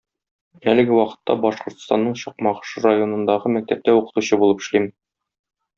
Әлеге вакытта Башкортостанның Чакмагыш районындагы мәктәптә укытучы булып эшлим.